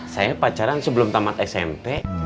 saya pacaran sebelum tamat smp